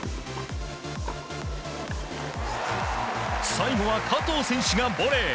最後は加藤選手がボレー。